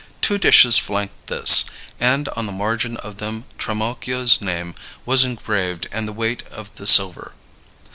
Two dishes flanked this; and on the margin of them Trimalchio's name was engraved and the weight of the silver.